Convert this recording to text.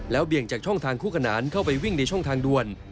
เบี่ยงจากช่องทางคู่ขนานเข้าไปวิ่งในช่องทางด่วน